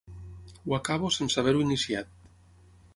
Ho acabo sense haver-ho iniciat.